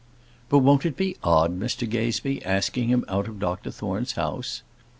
"But won't it be odd, Mr Gazebee, asking him out of Dr Thorne's house?"